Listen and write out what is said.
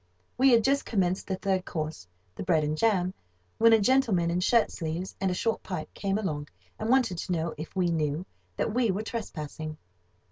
We had just commenced the third course—the bread and jam—when a gentleman in shirt sleeves and a short pipe came along, and wanted to know if we knew that we were trespassing.